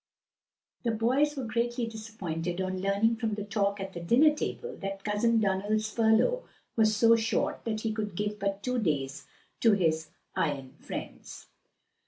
The boys were greatly disappointed on learning from the talk at the dinner table that Cousin Donald's furlough was so short that he could give but two days to his Ion friends.